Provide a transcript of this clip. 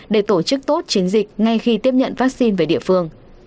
để tổ chức tốt chiến dịch ngay khi tiếp nhận vaccine về địa phương